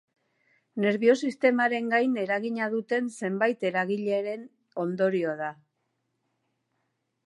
Nerbio sistemaren gain eragina duten zenbait eragileren ondorio da.